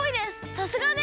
さすがです！